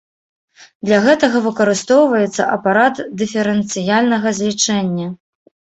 Для гэтага выкарыстоўваецца апарат дыферэнцыяльнага злічэння.